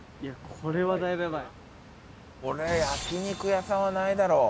これ焼肉屋さんはないだろ。